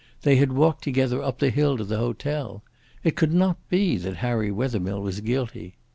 They had walked together up the hill to the hotel. It could not be that Harry Wethermill was guilty.